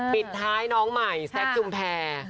ปิดท้ายน้องใหม่แซคชุมแพร